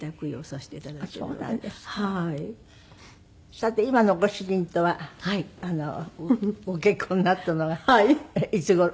さて今のご主人とはご結婚になったのはいつ頃？